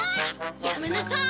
やめなさい！